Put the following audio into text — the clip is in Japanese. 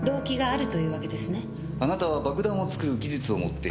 あなたは爆弾を作る技術を持っている。